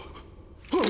あっ！